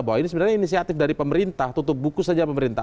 bahwa ini sebenarnya inisiatif dari pemerintah tutup buku saja pemerintah